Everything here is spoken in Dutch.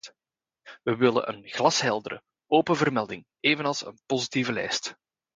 Wij willen een glasheldere, open vermelding, evenals een positieve lijst.